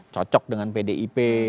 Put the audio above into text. cocok dengan pdip